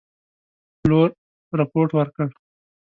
پلور رپوټ ورکړ.